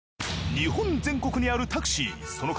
日本全国にあるタクシーその数。